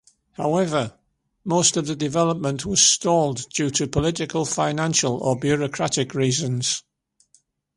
However, most of the development was stalled, due to political, financial, or bureaucratic reasons.